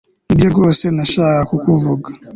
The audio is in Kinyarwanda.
nibyo rwose nashakaga kuvuga